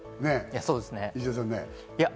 石田さん。